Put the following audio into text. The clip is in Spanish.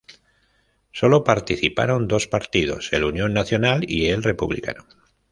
Solo participaron dos partidos, el Unión Nacional y el Republicano.